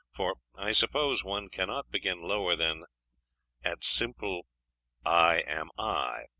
for I suppose one cannot begin lower than at simple "I am I"....